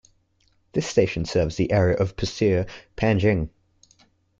This station serves the area of Pasir Panjang.